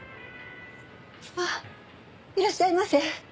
あっいらっしゃいませ。